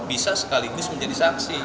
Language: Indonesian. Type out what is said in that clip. bisa sekaligus menjadi saksi